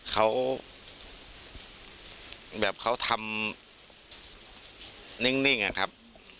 เขาแบบเขาทำนิ่งอะครับ